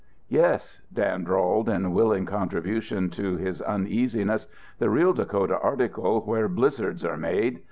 "Yes," Dan drawled in willing contribution to his uneasiness, "the real Dakota article where blizzards are made.